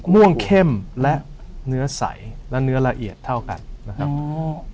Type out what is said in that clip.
ม่วงเข้มและเนื้อใสและเนื้อละเอียดเท่ากันนะครับอ๋อ